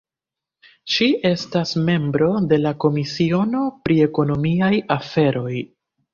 Ŝi estas membro de la komisiono pri ekonomiaj aferoj.